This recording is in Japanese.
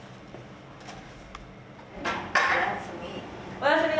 おやすみ。